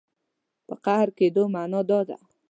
په قهر کېدو معنا دا ده.